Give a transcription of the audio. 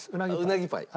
うなぎパイ。